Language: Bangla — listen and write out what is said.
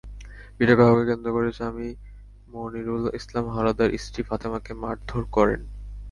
পিঠা খাওয়াকে কেন্দ্র করে স্বামী মনিরুল ইসলাম হাওলাদার স্ত্রী ফাতেমাকে মারধর করেন।